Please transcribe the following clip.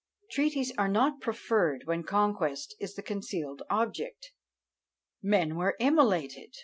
Treaties are not proffered when conquest is the concealed object. Men were immolated!